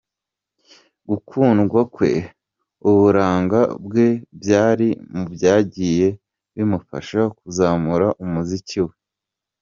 Gukundwa kwe uburanga bwe byari mu byagiye bimufasha kuzamura umuziki we.